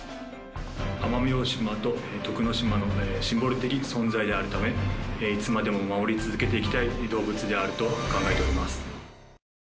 奄美大島と徳之島のシンボル的存在であるためいつまでも守り続けていきたい動物であると考えております。